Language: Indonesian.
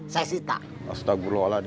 semua barang dagang mang ocad